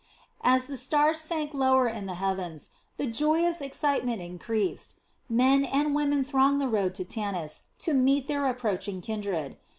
As the stars sank lower in the heavens, the joyous excitement increased. Men and women thronged the road to Tanis to meet their approaching kindred.